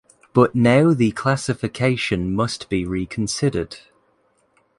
But now the classification must be reconsidered.